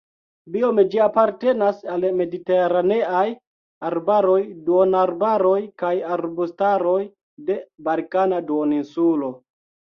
Biome ĝi apartenas al mediteraneaj arbaroj, duonarbaroj kaj arbustaroj de Balkana duoninsulo.